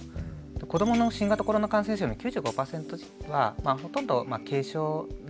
子どもの新型コロナ感染者の９５％はまあほとんど軽症なんですよね。